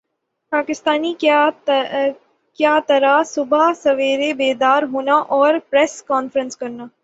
پاکستانی کَیا طرح صبح سویرے بیدار ہونا اور پریس کانفرنس کرنا